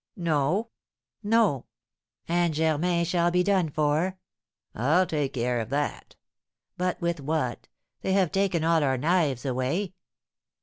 "No?" "No." "And Germain shall be done for?" "I'll take care of that." "But with what? They have taken all our knives away."